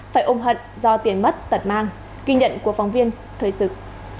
phải ôm hận do tiền mất tật mang kinh nhận của phóng viên thời dực